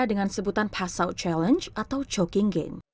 dengan sebutan pass out challenge atau choking game